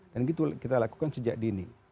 dan itu kita lakukan sejak dini